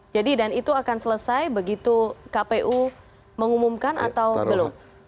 jadi dan itu akan selesai begitu kpu mengumumkan atau belum